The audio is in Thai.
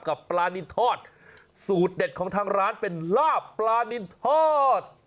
กับปลานินทอดสูตรเด็ดของทางร้านเป็นลาบปลานินทอด